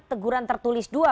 teguran tertulis dua